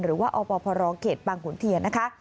หรือว่าอปพรเขตบางขุนเทียนนะคะ